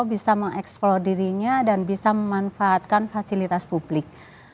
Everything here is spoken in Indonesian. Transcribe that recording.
bisa mengeksplor dirinya dan bisa memanfaatkan fasilitas publik